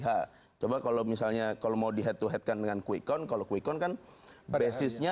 h coba kalau misalnya kalau mau di head to head kan dengan quick count kalau quick count kan basisnya